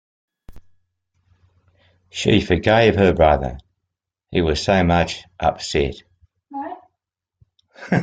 She forgave her brother — he was so much upset.